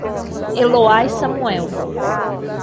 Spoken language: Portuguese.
Eloá e Samuel